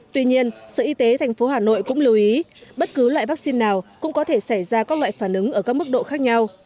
tuy nhiên sở y tế tp hà nội cũng lưu ý bất cứ loại vaccine nào cũng có thể xảy ra các loại phản ứng ở các mức độ khác nhau